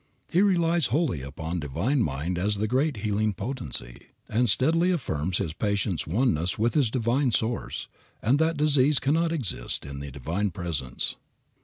He relies wholly upon Divine Mind as the great healing potency, and steadily affirms his patient's oneness with his Divine Source, and that disease cannot exist in the Divine Presence.